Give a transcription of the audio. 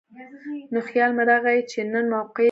نو خيال مې راغے چې نن موقع ده ـ